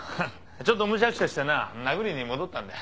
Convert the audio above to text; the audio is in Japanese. ちょっとむしゃくしゃしてな殴りに戻ったんだ。